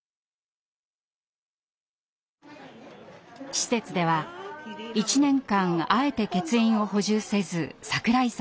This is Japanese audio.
施設では１年間あえて欠員を補充せず櫻井さんを待ち続けました。